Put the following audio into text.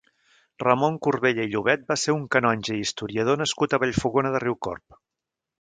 Ramon Corbella i Llobet va ser un canonge i historiador nascut a Vallfogona de Riucorb.